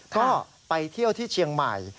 ก็ไปเที่ยวที่เชียงใหม่